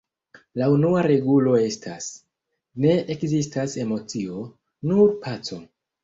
La unua regulo estas: "Ne ekzistas emocio; nur paco".